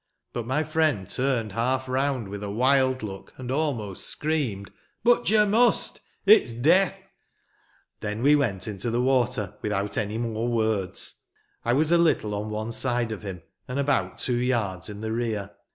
But my friend turned half round, with a wild look, and almost screamed: " But you must ! It's death !" Then we went into the water, with out any more words. I was a little on one side of him, and about two yards in the rear.